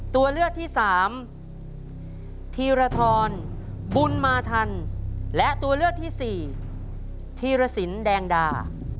ตัวเลือกที่สามธีรทรบุญมาทันและตัวเลือกที่สี่ธีรสินแดงดา